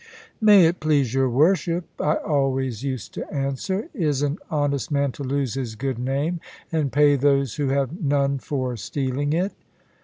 "May it please your worship," I always used to answer, "is an honest man to lose his good name, and pay those who have none for stealing it?"